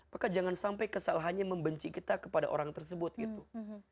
maka jangan sampai kesalahannya membenci kita kepada orang tersebut gitu